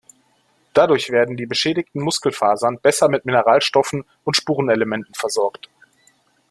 Dadurch werden die beschädigten Muskelfasern besser mit Mineralstoffen und Spurenelementen versorgt.